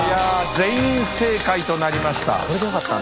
全員正解となりました。